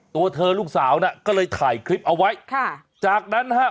ตัวเธอลูกสาวน่ะก็เลยถ่ายคลิปเอาไว้ค่ะจากนั้นฮะ